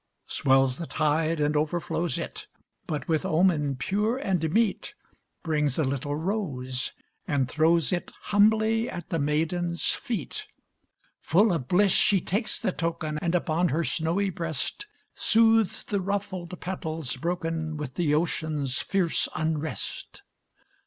Swells the tide and overflows it, But, with omen pure and meet, Brings a little rose, and throws it Humbly at the maiden's feet. Full of bliss she takes the token, And, upon her snowy breast, Soothes the ruffled petals broken With the ocean's fierce unrest.